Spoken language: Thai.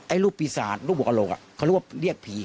ไอ้รูปปีศาสตร์รูปวักกะโหลกอ่ะเขารู้ว่าเรียกผี